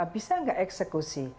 bisa nggak eksekusi